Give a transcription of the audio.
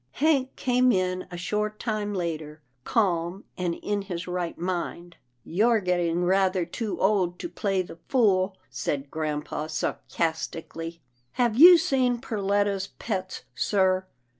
Hank came in a short time later, calm, and in his right mind. " You're getting rather too old to play the fool," said grampa sarcastically. "Have you seen Perletta's pets, sir?"